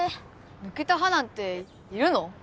抜けた歯なんているの？